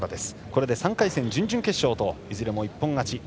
これで３回戦、準々決勝といずれも一本勝ち。